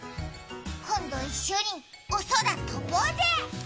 今度一緒にお空、飛ぼうぜ！